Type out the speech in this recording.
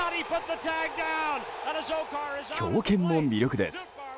強肩も魅力です。